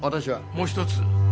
もう１つ。